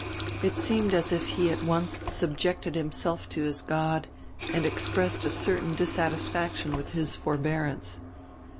It seemed as if he at once subjected himself to his God and expressed a certain dissatisfaction with His forbearance.